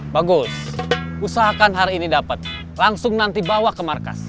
bagus usahakan hari ini dapat langsung nanti bawa ke markas